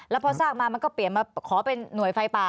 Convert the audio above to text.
แล้วพอสร้างมามันก็เปลี่ยนมาขอเป็นหน่วยไฟป่า